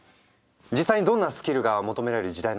実際にどんなスキルが求められる時代なのか？